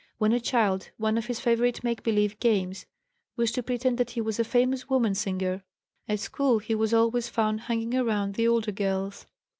When a child, one of his favorite make believe games was to pretend that he was a famous woman singer. At school he was always found hanging around the older girls.